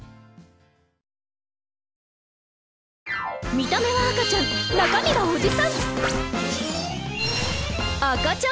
見た目は赤ちゃん中身はおじさん！